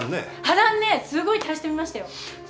波乱ねすごい足してみましたよ。